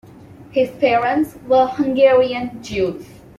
His parents were Hungarian Jews.